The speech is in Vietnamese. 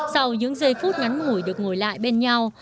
sau những giây phút ngắn ngủi được ngồi lại bên nhau